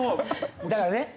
だからね